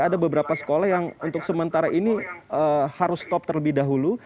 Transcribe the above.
ada beberapa sekolah yang untuk sementara ini harus stop terlebih dahulu